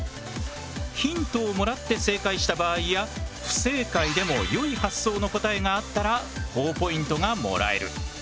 ヒントをもらって正解した場合や不正解でも良い発想の答えがあったらほぉポイントがもらえる。